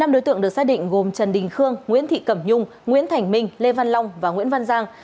năm đối tượng được xác định gồm trần đình khương nguyễn thị cẩm nhung nguyễn thành minh lê văn long và nguyễn văn giang